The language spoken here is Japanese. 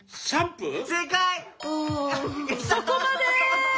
そこまで！